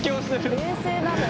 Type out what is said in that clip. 冷静なのよ。